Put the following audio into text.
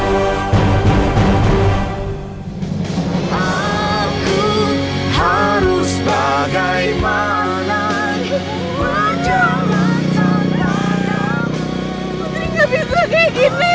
gue tadi gak bisa kayak gini